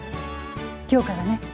今日からね。